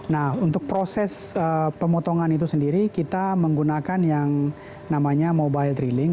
nah untuk proses pemotongan itu sendiri kita menggunakan yang namanya mobile drilling